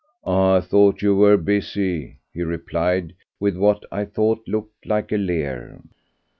"I thought you were busy," he replied, with what I thought looked like a leer.